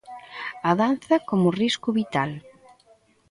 A danza como risco vital.